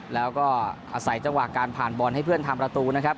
แล้วก็อาศัยจังหวะการผ่านบอลให้เพื่อนทำประตูนะครับ